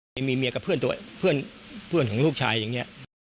ไปมีเมียกับเพื่อนของลูกชายอย่างนี้